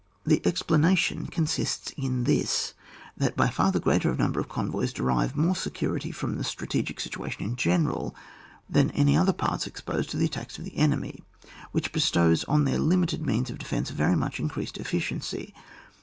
The explanation consists in this, that by far the greater number of convoys derive more security from the strategic situation in general, than any other parts exposed to the attacks of the enemy, which bestows on their limited means of defence a very much increased efficacy.